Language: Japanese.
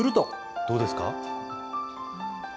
どうですか？